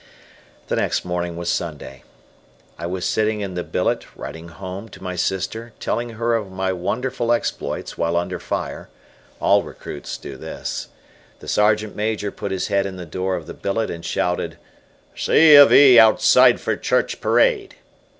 The next morning was Sunday. I was sitting in the billet writing home to my sister telling her of my wonderful exploits while under fire all recruits do this. The Sergeant Major put his head in the door of the billet and shouted: "C. of E. outside for church parade!"